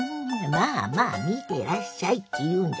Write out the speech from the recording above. まあまあ見てらっしゃいっていうんじゃよ。